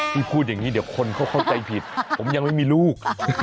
พูดอย่างนี้เดี๋ยวคนเขาเข้าใจผิดผมยังไม่มีลูก